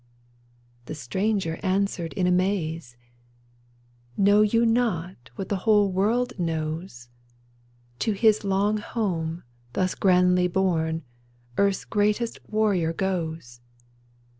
" The stranger answered in amaze —" Know you not what the whole world knows ? To his long home, thus grandly borne, Earth's greatest warrior goes.